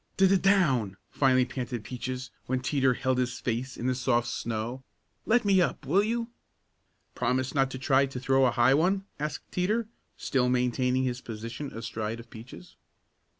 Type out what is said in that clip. "D d down!" finally panted Peaches, when Teeter held his face in the soft snow. "Let me up, will you?" "Promise not to try to throw a high one?" asked Teeter, still maintaining his position astride of Peaches.